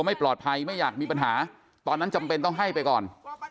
ไม่ปลอดภัยไม่อยากมีปัญหาตอนนั้นจำเป็นต้องให้ไปก่อน